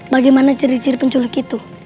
bagaimana ciri ciri penculuk itu